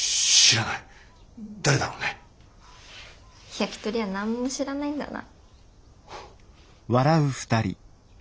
ヤキトリは何も知らないんだな。